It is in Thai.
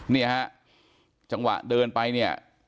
เนี่ยฮะจังหวะเดินไปเนี่ย